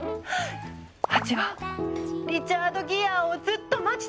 ハチはリチャード・ギアをずっと待ち続けたのに？